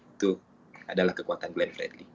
itu adalah kekuatan glenn fredly